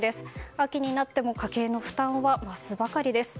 秋になっても家計の負担は増すばかりです。